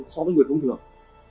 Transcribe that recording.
so với người thông thường